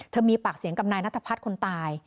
มีปากเสียงกับนายนัทพัฒน์คนตาย